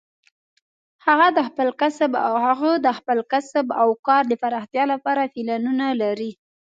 هغه د خپل کسب او کار د پراختیا لپاره پلانونه لري